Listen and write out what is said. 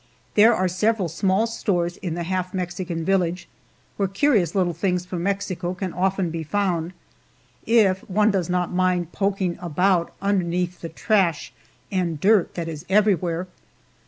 There are several small stores in the half Mexican village, where curious little things from Mexico can often be found, if one does not mind poking about underneath the trash and dirt that is everywhere.